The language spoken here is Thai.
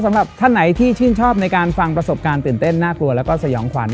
สำหรับท่านไหนที่ชื่นชอบในการฟังประสบการณ์ตื่นเต้นน่ากลัวแล้วก็สยองขวัญ